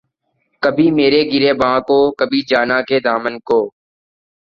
کبھی میرے گریباں کو‘ کبھی جاناں کے دامن کو